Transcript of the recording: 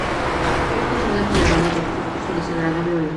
No es consumida por el ganado, quizá por su desagradable olor.